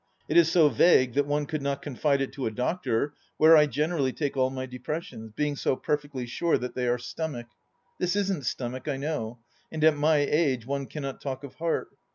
It is so rague that one could not confide it to a doctor, where I generally take all my depressions, being so perfectly sure that they are stomach. This isn't stomach, I know, and at my age one cannot talk of heart